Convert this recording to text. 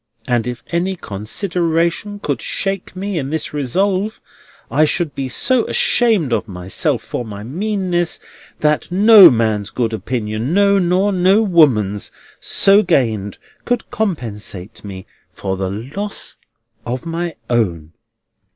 And if any consideration could shake me in this resolve, I should be so ashamed of myself for my meanness, that no man's good opinion—no, nor no woman's—so gained, could compensate me for the loss of my own."